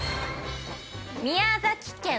宮崎県。